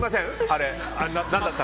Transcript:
あれ。